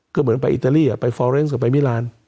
ก็เหมือนไปอิตาลียาก็ไปฟอเรนซ์กับไปมิรานด์